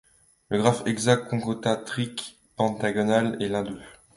Le graphe hexacontaédrique pentagonal est l'un d'eux.